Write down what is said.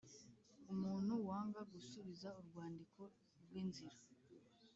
Umuntu wanga gusubiza urwandiko rw inzira